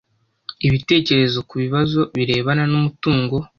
ibitekerezo ku bibazo birebana n umutungo